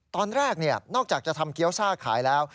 ตอนแรกนอกจากจะทำเกี้ยวซ่าขายแล้ว